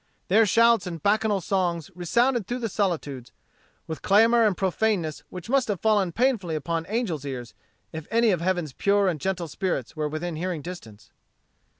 Their shouts and bacchanal songs resounded through the solitudes, with clamor and profaneness which must have fallen painfully upon angels' ears, if any of heaven's pure and gentle spirits were within hearing distance.